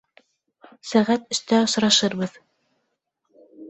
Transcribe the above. Сәғәт өстә осрашырбыҙ